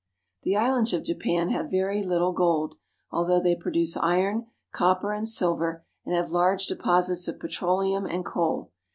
The islands of Japan have very little gold, although they produce iron, copper, and silver, and have large deposits of petroleum and coal.